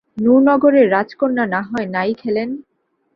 নুরনগরের রাজকন্যা না-হয় নাই খেলেন?